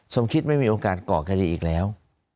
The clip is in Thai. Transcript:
สมคิดไม่มีโอกาสก่อคดีอีกแล้ว